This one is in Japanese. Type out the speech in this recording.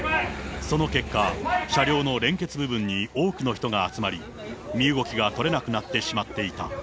その結果、車両の連結部分に多くの人が集まり、身動きが取れなくなってしまっていた。